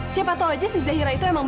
siapa tau aja si zahira itu emang berani